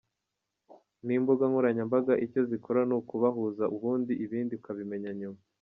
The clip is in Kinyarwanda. N’imbugankoranyambaga icyo zikora n’ukubahuza ubundi ibindi ukabimenya nyuma.